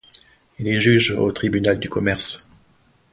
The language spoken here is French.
Il est juge au tribunal de commerce.